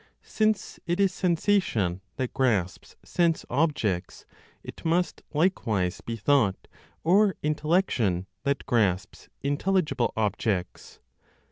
Since it is sensation that grasps sense objects, it must likewise be thought, or intellection, that grasps intelligible objects.